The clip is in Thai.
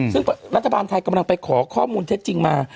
ซึ่งรัฐบาลไทยกำลังไปขอข้อมูลเท็จจริงมา